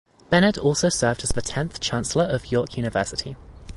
Bennett also served as the tenth Chancellor of York University.